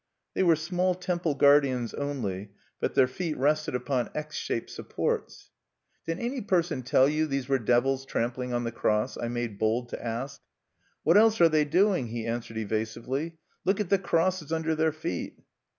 _" They were small temple guardians only; but their feet rested upon X shaped supports. "Did any person tell you these were devils trampling on the cross?" I made bold to ask. "What else are they doing?" he answered evasively. "Look at the crosses under their feet!"